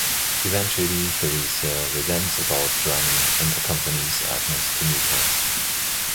Eventually Theresa relents about Joanie and accompanies Agnes to meet her.